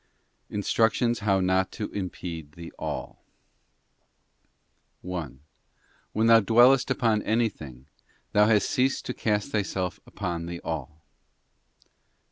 _ Instructions how not to impede the All. 1. When thou dwellest upon anything, thou hast ceased to cast thyself upon the All.